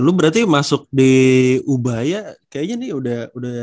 lu berarti masuk di ubaya kayaknya nih udah